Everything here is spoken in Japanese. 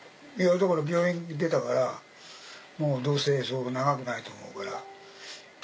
病院出たからもうどうせそう長くないと思うから。